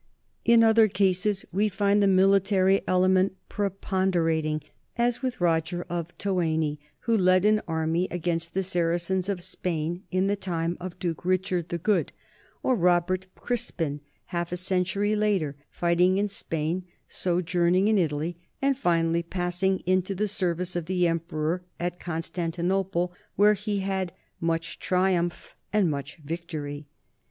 In other cases we find the mili tary element preponderating, as with Roger of Toeni, who led an army against the Saracens of Spain in the time of Duke Richard the Good, or Robert Crispin half a century later, fighting in Spain, sojourning in Italy, and finally passing into the service of the em peror at Constantinople, where he had "much triumph and much victory."